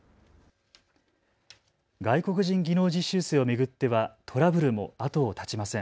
外国人技能実習生を巡ってはトラブルも後を絶ちません。